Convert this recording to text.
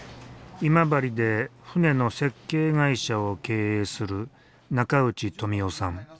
今治で船の設計会社を経営する中内富男さん。